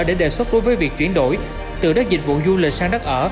để đề xuất đối với việc chuyển đổi từ đất dịch vụ du lịch sang đất ở